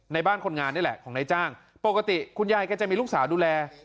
ในบ้านคนงานนี่แหละของนายจ้างปกติคุณยายก็จะมีลูกสาวดูแล